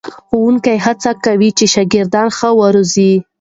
ښوونکي هڅه کوي چې شاګردان ښه وروزي.